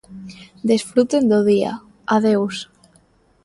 Desfruten do día... adeus!